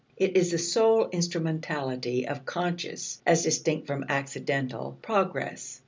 It is the sole instrumentality of conscious, as distinct from accidental, progress.